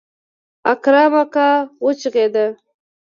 اکرم اکا وچغېده.